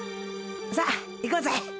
さっ行こうぜ。